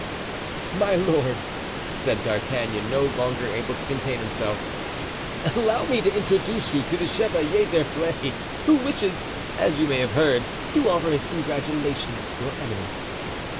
"My lord," said D'Artagnan, no longer able to contain himself, "allow me to introduce to you the Chevalier d'Herblay, who wishes—as you may have heard—to offer his congratulations to your eminence."